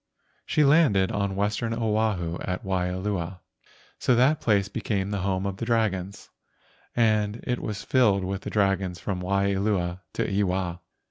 She landed on Western Oahu, at Waialua, so that place became the home of the dragons, and it was filled with the dragons from Waialua to Ewa.